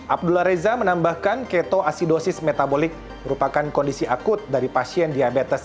abdullah reza menambahkan ketoasidosis metabolik merupakan kondisi akut dari pasien diabetes